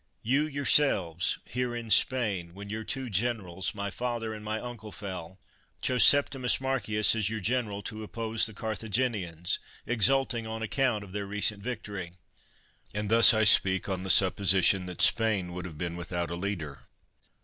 You yourselves, here in Spain, when your two generals, my father and my uncle, fell, chose Septimus Mar cius as your general to oppose the Carthaginians, exulting on account of their recent victory. And thus I speak, on the supposition that Spain would have been without a leader.